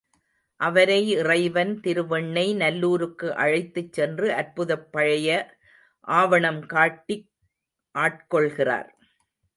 அவரை இறைவன் திருவெண்ணெய் நல்லூருக்கு அழைத்துச் சென்று அற்புதப் பழைய ஆவணம் காட்டி ஆட்கொள்கிறார்.